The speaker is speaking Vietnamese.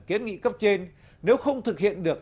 kiến nghị cấp trên nếu không thực hiện được